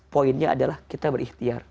poinnya adalah kita berikhtiar